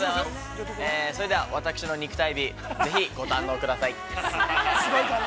それでは私の肉体美、ぜひご堪能ください。